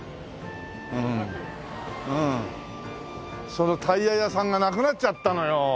そのタイヤ屋さんがなくなっちゃったのよ。